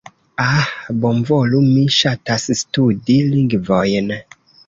Ah... Bonvolu, mi ŝatas studi lingvojn...